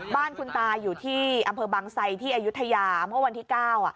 บ้านคุณตาอยู่ที่อำเภอบางไซที่อายุทยาเมื่อวันที่๙